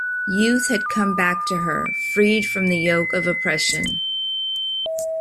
Youth had come back to her, freed from the yoke of oppression.